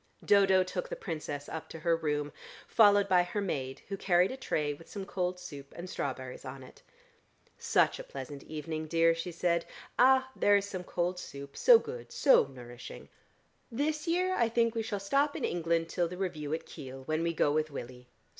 Dodo took the Princess up to her room, followed by her maid who carried a tray with some cold soup and strawberries on it. "Such a pleasant evening, dear," she said. "Ah, there is some cold soup: so good, so nourishing. This year I think we shall stop in England till the review at Kiel, when we go with Willie.